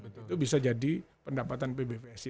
itu bisa jadi pendapatan pbvsi